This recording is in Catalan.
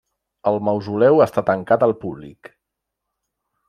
El Mausoleu està tancat al públic.